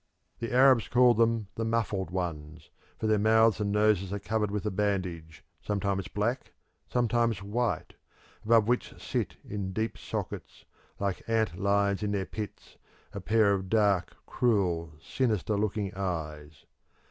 The Arabs call them "the muffled ones," for their mouths and noses are covered with a bandage, sometimes black, sometimes white, above which sit in deep sockets, like ant lions in their pits, a pair of dark, cruel, sinister looking eyes.